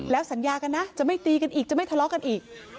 สัญญากันนะจะไม่ตีกันอีกจะไม่ทะเลาะกันอีก